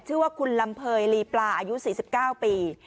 ชื่อว่าคุณลำเภยรีปลาอายุสี่สิบเก้าปี